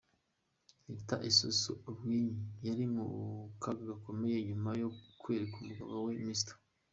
Rita Esosa Ogbuenyi ari mu kaga gakomeye nyuma yo kwereka umugabo we, Mr.